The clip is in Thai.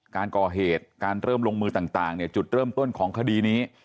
การก่อเหตุการเริ่มลงมือต่างเนี่ยจุดเริ่มต้นของคดีนี้